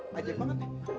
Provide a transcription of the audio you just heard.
panjang banget nek